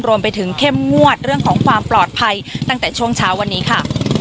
รวมไปถึงเข้มงวดเรื่องของความปลอดภัยตั้งแต่ช่วงเช้าวันนี้ค่ะ